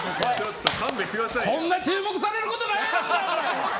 こんな注目されることないやろが！